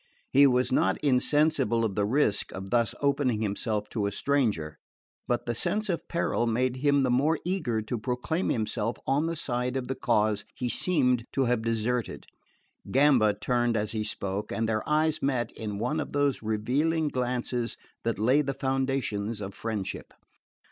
He was not insensible of the risk of thus opening himself to a stranger; but the sense of peril made him the more eager to proclaim himself on the side of the cause he seemed to have deserted. Gamba turned as he spoke, and their eyes met in one of those revealing glances that lay the foundations of friendship.